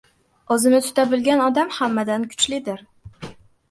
O‘zini tuta bilgan odam hammadan kuchlidir.